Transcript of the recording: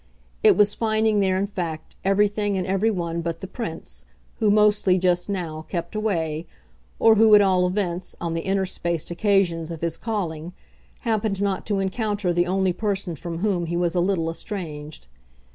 It was finding there in fact everything and everyone but the Prince, who mostly, just now, kept away, or who, at all events, on the interspaced occasions of his calling, happened not to encounter the only person from whom he was a little estranged.